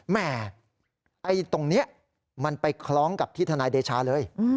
แม่ตรงนี้มันไปคล้องกับที่ทนายเดชาเลย